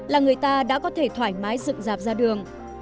là người ta đã có thể thoải mái dựng dạp ra đường